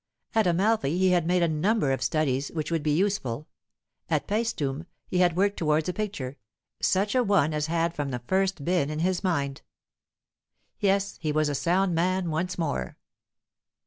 At Amalfi he had made a number of studies which would be useful; at Paestum he had worked towards a picture, such a one as had from the first been in his mind. Yes, he was a sound man once more.